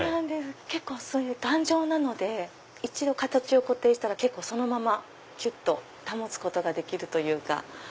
結構頑丈なので一度形を固定したらそのままきゅっと保つことができるというか。